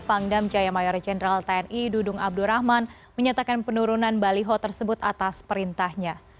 pangdam jaya mayor jenderal tni dudung abdurrahman menyatakan penurunan baliho tersebut atas perintahnya